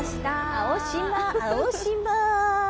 青島青島。